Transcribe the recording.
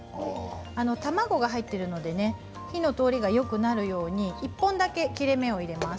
卵が入っているので火の通りがよくなるように、１本だけ切れ目を入れます。